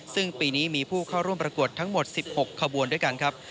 ซึ่งปีนี้มีผู้เข้าร่วมประกวดทั้งหมด๑๖ขบวนด้วยกันครับ